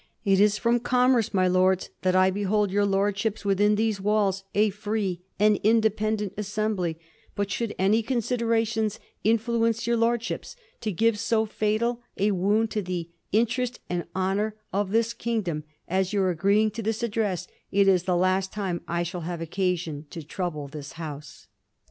It is from commerce, my Lords, that I be hold your Lordships within these walls, a free, an inde pendent assembly ; but, should any considerations influ ence your Lordships to give so fatal a wound to the interest and honor of this kingdom as your agreeing to this address, it is the last time I shall have occasion to trouble this House.